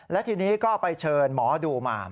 และทีนี้ก็ไปเชิญหมอดูมา